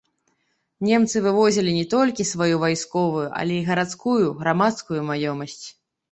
Немцы вывозілі не толькі сваю вайсковую, але і гарадскую, грамадскую маёмасць.